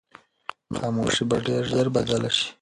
خاموشي به ډېر ژر بدله شي.